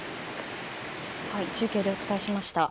中継でお伝えしました。